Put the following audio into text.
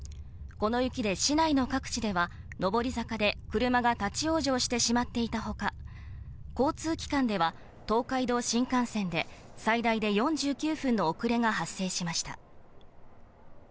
この雪で市内の各地では、上り坂で車が立往生してしまっていたほか、交通機関では、東海道新幹線で最大で４９分の遅れが発生しました。